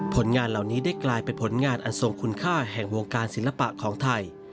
ผลงานเหล่านี้ได้กลายเป็นผลงานอันทรงคุณค่าแห่งวงการศิลปะของไทย